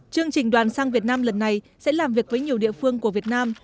chương trình đoàn sang việt nam lần này sẽ làm việc với nhiều địa phương của việt nam